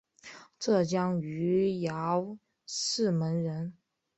浙江余姚泗门人。